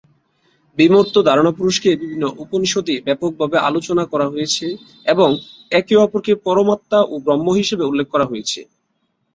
বিমূর্ত ধারণা পুরুষকে বিভিন্ন উপনিষদে ব্যাপকভাবে আলোচনা করা হয়েছে, এবং একে অপরকে পরমাত্মা ও ব্রহ্ম হিসাবে উল্লেখ করা হয়েছে।